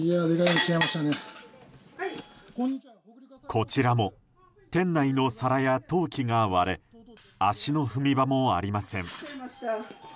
こちらも店内の皿や陶器が割れ足の踏み場もありません。